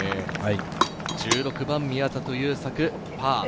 １６番、宮里優作、パー。